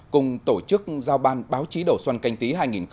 cùng tổ chức giao ban báo chí đầu xuân canh tí hai nghìn hai mươi